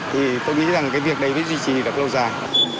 thì tôi nghĩ rằng cái việc đấy mới duy trì được lâu dài